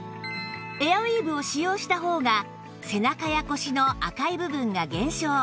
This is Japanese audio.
エアウィーヴを使用した方が背中や腰の赤い部分が減少